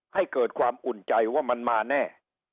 ให้เกิดความอุ่นใจว่ามันมาแน่